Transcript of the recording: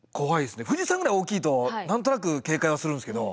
富士山ぐらい大きいと何となく警戒はするんですけど。